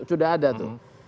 sudah ada tuh